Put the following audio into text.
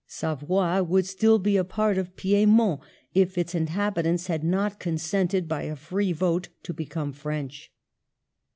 Savoy would still be a part of Piedmont if its inhabitants had not con sented, by a free vote, to become French.